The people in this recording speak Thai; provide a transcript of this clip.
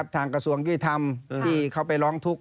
กระทรวงยุติธรรมที่เขาไปร้องทุกข